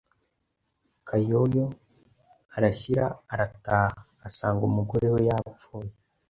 Kayoyo arashyira arataha, asanga umugore we yapfuye